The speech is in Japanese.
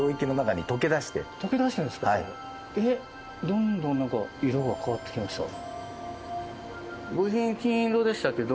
どんどん色が変わってきました。